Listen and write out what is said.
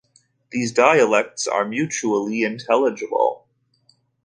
These dialects are mutually intelligible.